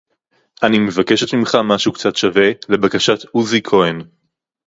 אני מבקשת ממך משהו קצת שווה לבקשת עוזי כהן